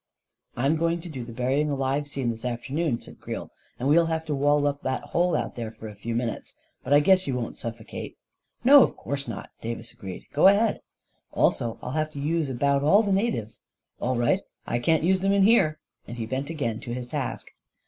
" I'm going to do the burying alive scene this afternoon," said Creel, " and we'll have to wall up that hole out there for a few minutes; but I guess you won't suffocate." A KING IN BABYLON 245 " No, of course not," Davis agreed. " Go ahead." " Also I'll have to use about all the natives." "All right. I can't use them in here," and he bent again to his task.